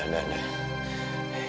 tidak tidak ini tidak mungkin